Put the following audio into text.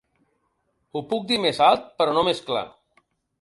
Ho puc dir més alt però no més clar.